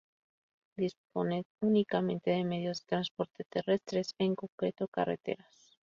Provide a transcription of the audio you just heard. Dispone únicamente de medios de transporte terrestres, en concreto carreteras.